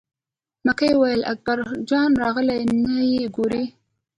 مکۍ وویل: اکبر جان راغلی نه یې ګورې.